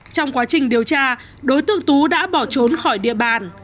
trong quá trình điều tra đối tượng tú đã bỏ trốn khỏi địa bàn